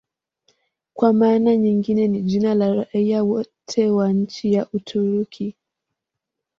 Kwa maana nyingine ni jina la raia wote wa nchi ya Uturuki.